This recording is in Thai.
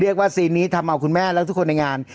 เรียกว่าสีนี้ทำเอาคุณแม่ทุกคนในงาน